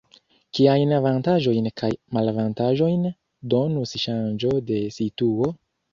Kiajn avantaĝojn kaj malavantaĝojn donus ŝanĝo de situo?